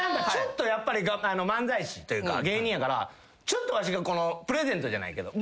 やっぱり漫才師というか芸人やからちょっとわしがプレゼントじゃないけど。